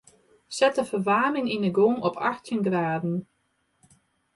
Set de ferwaarming yn 'e gong op achttjin graden.